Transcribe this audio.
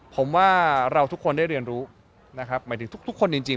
ผมว่าเราทุกคนได้เรียนรู้นะครับหมายถึงทุกคนจริง